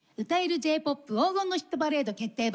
Ｊ−ＰＯＰ黄金のヒットパレード決定版！」。